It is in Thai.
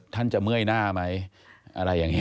ท่านจะเมื่อยหน้าไหมอะไรอย่างนี้